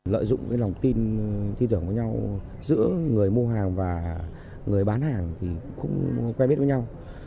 lợi dụng lòng tin thi tưởng với nhau giữa người mua hàng và người bán hàng thì cũng quen biết với nhau